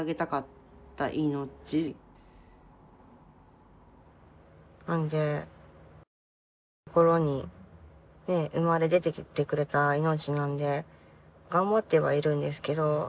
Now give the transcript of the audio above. なので自分のところにね生まれ出てきてくれた命なんで頑張ってはいるんですけど